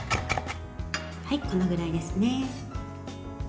このぐらいですね。